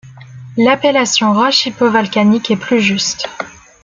L'appellation roche hypovolcanique est plus juste.